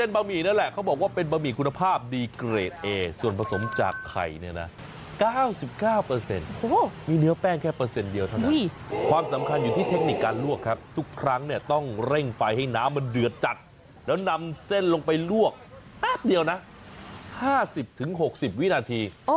แป้งไฟให้น้ำมันเดือดจัดแล้วนำเส้นลงไปลวกแป๊บเดียวนะ๕๐๖๐วินาที